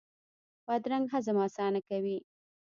بادرنګ هضم اسانه کوي.